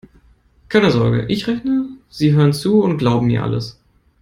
Keine Sorge: Ich rechne, Sie hören zu und glauben mir alles.